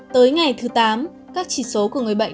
tới ngày thứ tám các chỉ số của người bệnh